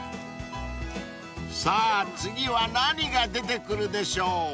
［さぁ次は何が出てくるでしょう？］